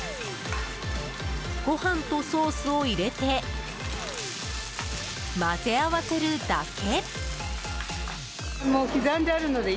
ご飯とソースを入れて混ぜ合わせるだけ。